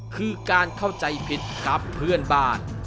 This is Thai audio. คือการเข้าใจผิดกับเพื่อนบ้าน